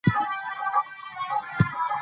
د ملالۍ قبر به جوړېږي.